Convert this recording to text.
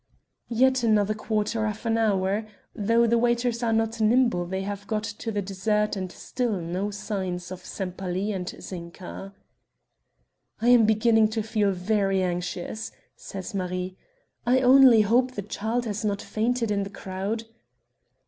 Yet another quarter of an hour; though the waiters are not nimble they have got to the dessert and still no signs of Sempaly and Zinka. "I am beginning to feel very anxious," says Marie. "I only hope the child has not fainted in the crowd."